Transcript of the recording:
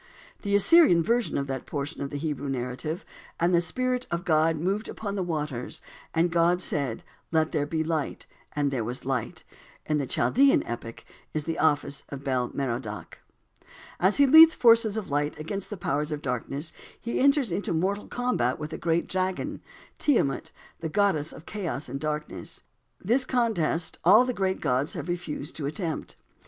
The Assyrian version of that portion of the Hebrew narrative: "And the Spirit of God moved upon the waters, and God said, 'Let there be light,' and there was light," in the Chaldean epic is the office of Bel Merodach. As he leads the forces of light against the powers of darkness he enters into mortal combat with the great dragon, Tiamat, the goddess of chaos and darkness. This contest all the great gods have refused to attempt.